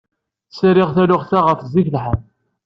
Sriɣ talɣut-a ɣef zik lḥal.